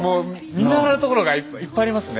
見習うところがいっぱいありますね。